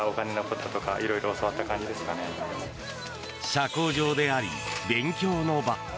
社交場であり、勉強の場。